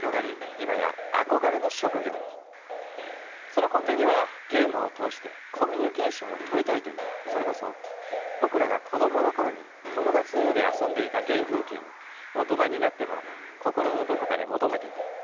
その根底にはゲームを通してコミュニケーションを取りたいというそれこそ僕らが子供の頃に友達の家で遊んでいた原風景を大人になっても心のどこかで求めている。